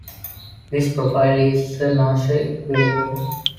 This profile is a Nash equilibrium.